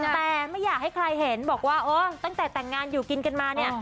แต่ไม่อยากให้ใครเห็นบอกว่าเออตั้งแต่แต่งงานอยู่กินกันมาเนี่ย